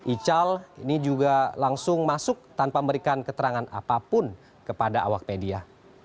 ical ini juga langsung masuk tanpa memberikan keterangan apapun kepada awak media